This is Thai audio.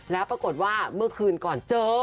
แล้วปรากฏว่าเมื่อคืนก่อนเจอ